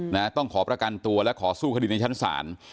นะต้องขอประกันตัวและขอสู้คดีในชั้นศาล